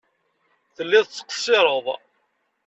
Telliḍ tettqeṣṣireḍ.